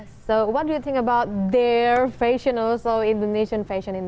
jadi apa pendapat anda tentang pakaian mereka juga pakaian indonesia dalam hijab